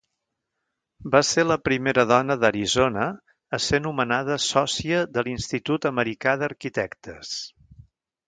Va ser la primera dona d'Arizona a ser nomenada sòcia de l'Institut Americà d'Arquitectes.